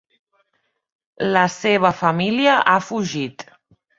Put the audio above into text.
La seva família ha fugit.